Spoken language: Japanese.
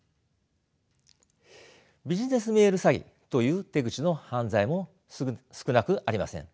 ビジネスメール詐欺という手口の犯罪も少なくありません。